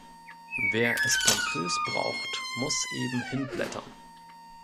Wer es pompös braucht, muss eben hinblättern.